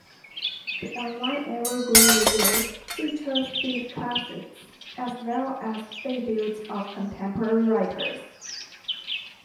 The online "Evergreen Review" features Beat classics as well as debuts of contemporary writers.